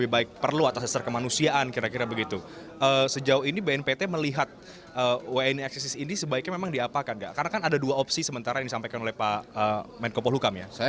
bapak komjen paul soehardi alius